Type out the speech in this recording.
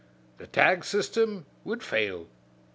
The tag system would fail."